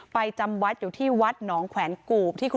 จำวัดอยู่ที่วัดหนองแขวนกูบ